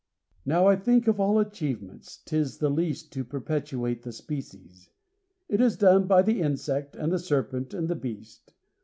Now I think of all achievements 'tis the least To perpetuate the species; it is done By the insect and the serpent, and the beast.